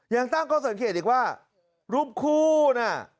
ยังตั้งข้อสังเกตอีกว่ารูปคู่น่ะ